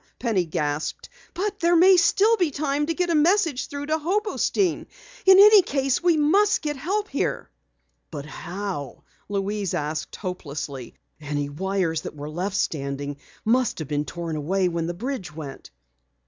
Penny gasped. "But there still may be time to get a message through to Hobostein. In any case, we must get help here!" "But how?" Louise asked hopelessly. "Any wires that were left standing must have been torn away when the bridge went."